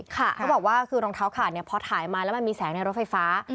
เขาบอกว่าคือรองเท้าขาดพอถ่ายมาแล้วมันมีแสงในรถไฟฟ้า